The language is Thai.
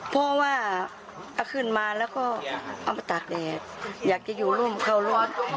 เพราะว่าเอาขึ้นมาแล้วก็เอามาตากแดดอยากจะอยู่ร่วมเข้ารถ